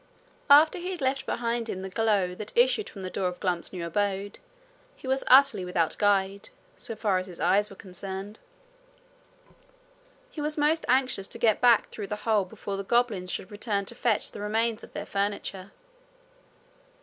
After he had left behind him the glow that issued from the door of Glump's new abode, he was utterly without guide, so far as his eyes were concerned. He was most anxious to get back through the hole before the goblins should return to fetch the remains of their furniture.